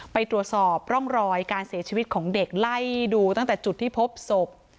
ไปตรวจสอบร่องรอยการเสียชีวิตของเด็กไล่ดูตั้งแต่จุดที่พบศพ